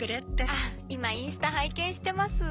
あっ今インスタ拝見してます。